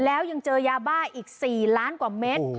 แล้วยังเจอยาบ้าอีก๔ล้านกว่าเม็ด